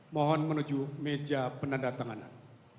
mohon menuju meja penanda tanganan